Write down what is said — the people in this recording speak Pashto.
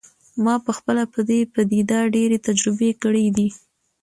ما پخپله په دې پدیده ډیرې تجربې کړي دي